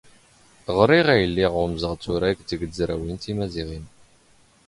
ⵖⵔⵔⵉⵖ ⴰⵢⵍⵍⵉⵖ ⵓⵎⵥⵖ ⵜⵓⵔⴰⴳⵜ ⴳ ⵜⵣⵔⴰⵡⵉⵏ ⵜⵉⵎⴰⵣⵉⵖⵉⵏ.